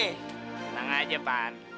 tenang aja pan